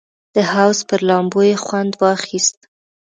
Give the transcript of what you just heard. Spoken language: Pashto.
د حوض پر لامبو یې خوند واخیست.